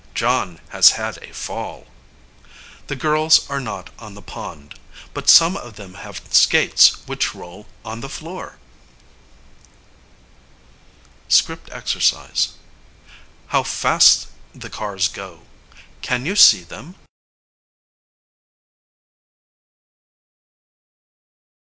John has had a fall. The girls are not on the pond; but some of them have skates which roll on the floor. [Illustration: Script Exercise: How fast the cars go! Can you see them?